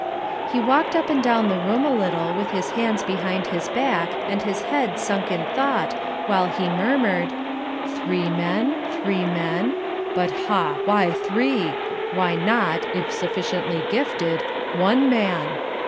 He walked up and down the room a little with his hands behind his back and his head sunk in thought while he murmured, "Three men? Three men? But Ha! why THREE? Why not, if sufficiently gifted, ONE man?"